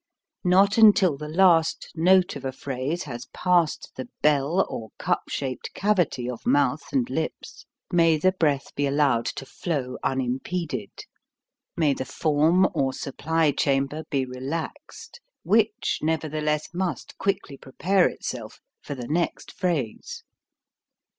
Not until the last note of a phrase has passed the "bell" or cup shaped cavity of mouth and lips may the breath be allowed to flow unimpeded, may the form or 30 HOW TO SING supply chamber be relaxed, which, neverthe less, must quickly prepare itself for the next phrase.